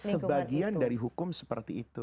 sebagian dari hukum seperti itu